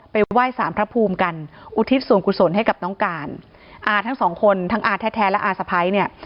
ไหว้สารพระภูมิกันอุทิศส่วนกุศลให้กับน้องการอาทั้งสองคนทั้งอาแท้แท้และอาสะพ้ายเนี่ย